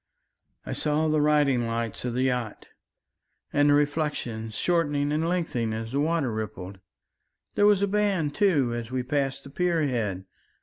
"I saw the riding lights of the yachts and the reflections shortening and lengthening as the water rippled there was a band, too, as we passed the pier head.